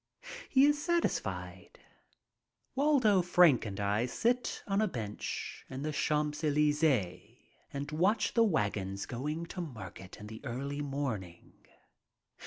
He is satisfied. Waldo Frank and I sit on a bench in the Champs Elysees and watch the wagons going to market in the early morning.